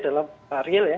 dalam real ya